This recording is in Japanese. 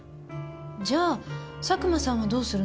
じゃあ佐久間さんはどうするの？